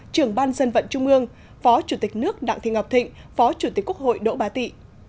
trưởng ban dân vận trung ương phó chủ tịch nước đặng thị ngọc thịnh phó chủ tịch quốc hội đỗ bá tị